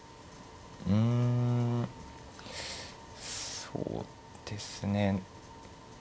うんそうですね。